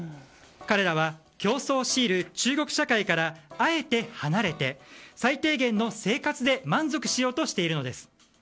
彼らは競争を強いる中国社会からあえて離れて、最低限の生活で満足しようとしているのです。